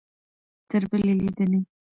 تر بلې لیدنې؟